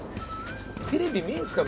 テレビ見るんですか？